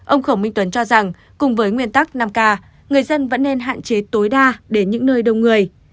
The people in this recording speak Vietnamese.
ông khổng minh tuấn cho rằng cùng với nguyên tắc năm k người dân vẫn nên hạn chế tối đa đến những nơi đông người